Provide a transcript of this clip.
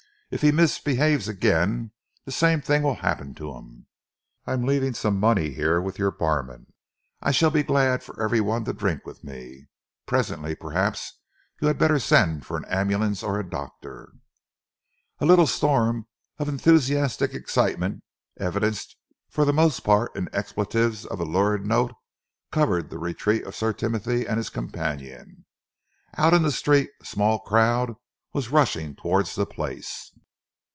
If he misbehaves again, the same thing will happen to him. I am leaving some money here with your barman. I shall be glad for every one to drink with me. Presently, perhaps, you had better send for an ambulance or a doctor." A little storm of enthusiastic excitement, evidenced for the most part in expletives of a lurid note, covered the retreat of Sir Timothy and his companion. Out in the street a small crowd was rushing towards the place.